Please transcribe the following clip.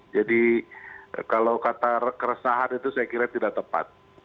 jadi kalau kata keresahan itu saya kira tidak tepat